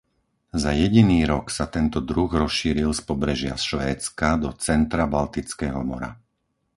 Za jediný rok sa tento druh rozšíril z pobrežia Švédska do centra Baltického mora.